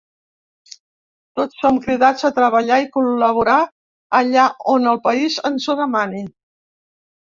Tots som cridats a treballar i col·laborar allà on el país ens ho demani.